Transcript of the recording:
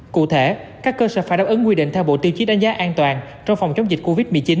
cụ thể các cơ sở phải đáp ứng quy định theo bộ tiêu chí đánh giá an toàn trong phòng chống dịch covid một mươi chín